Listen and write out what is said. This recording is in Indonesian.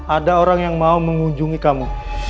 ada orang yang mau mengunjungi kamu